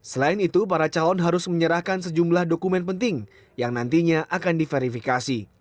selain itu para calon harus menyerahkan sejumlah dokumen penting yang nantinya akan diverifikasi